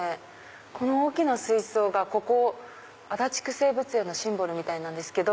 この大きな水槽が足立区生物園のシンボルみたいなんですけど。